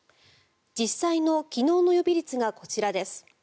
実際の昨日の予備率がこちらです。